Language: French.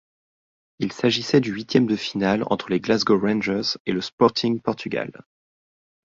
Il s'agissait du huitième de finale entre les Glasgow Rangers et le Sporting Portugal.